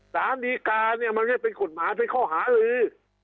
สารดีการเนี่ยมันไม่เป็นกฎหมายเป็นข้อหาลือ